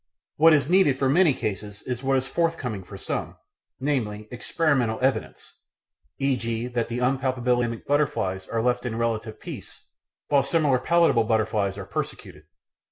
What is needed for many cases is what is forthcoming for some, namely, experimental evidence, e.g. that the unpalatable mimicked butterflies are left in relative peace while similar palatable butterflies are persecuted.